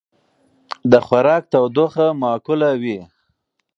د خوراک تودوخه معقوله وي.